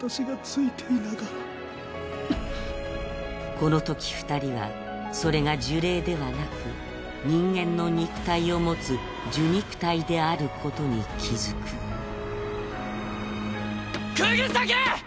このとき二人はそれが呪霊ではなく人間の肉体を持つ受肉体であることに気付く釘崎！